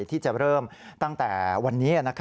ที่จะเริ่มตั้งแต่วันนี้